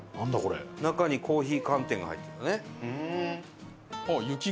中にコーヒー寒天が入ってる。